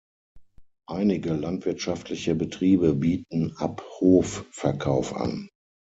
Einige landwirtschaftliche Betriebe bieten Ab-Hof-Verkauf an.